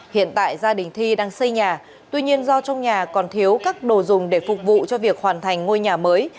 hiện tại gia đình thi đang xây nhà tuy nhiên do trong nhà còn thiếu các đồ dùng để phục vụ cho việc hoàn thành ngôi nhà mới